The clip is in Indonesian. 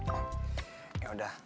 oh ya udah